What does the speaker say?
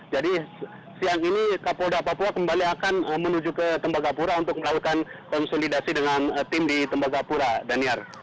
jadi siang ini kapolda papua kembali akan menuju ke tembagapura untuk melakukan konsolidasi dengan tim di tembagapura daniar